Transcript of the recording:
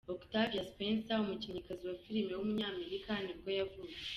Octavia Spencer, umukinnyikazi wa filime w’umunyamerika nibwo yavutse.